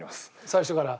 最初から？